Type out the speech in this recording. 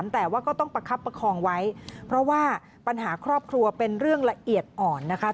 แต่ว่าก็ต้องประคับประคองไว้เพราะว่าปัญหาครอบครัวเป็นเรื่องละเอียดอ่อนนะคะ